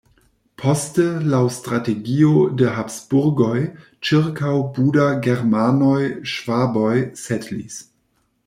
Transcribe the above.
Poste laŭ strategio de Habsburgoj ĉirkaŭ Buda germanoj-ŝvaboj setlis.